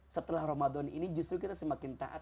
setelah ramadan ini justru kita semakin taat